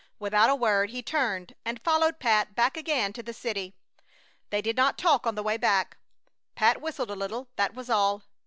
Without a word he turned and followed Pat back again to the city. They did not talk on the way back. Pat whistled a little, that was all.